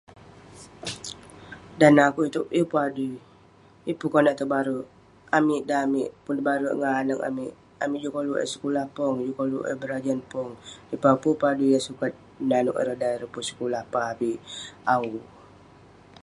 Dan neh akouk itouk, yeng pun adui. Yeng pun konak tebare. Amik dan amik pun nebare ngan anag amik, amik juk koluk eh sekulah pong, juk koluk eh berajan pong. Dei pauk pun peh adui yah sukat nanouk ireh dan ireh pun sekulah pah avik awu.